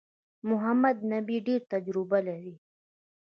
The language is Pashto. محمد نبي ډېره تجربه لري.